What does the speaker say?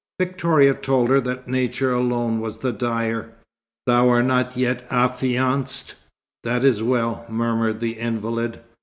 Victoria told her that Nature alone was the dyer. "Thou art not yet affianced; that is well," murmured the invalid.